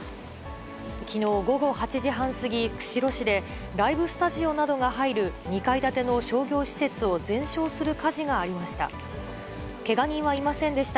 きのう午後８時半過ぎ、釧路市でライブスタジオなどが入る２階建ての商業施設を全焼する火事がありました。